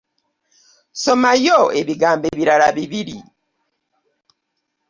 Somayo ebigambo ebirala bibiri.